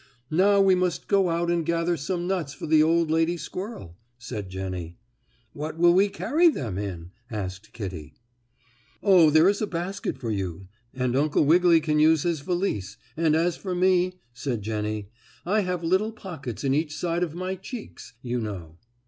"Now we must go out and gather some nuts for the old lady squirrel," said Jennie. "What will we carry them in?" asked Kittie. "Oh, there is a basket for you, and Uncle Wiggily can use his valise, and as for me," said Jennie, "I have little pockets in each side of my cheeks, you know."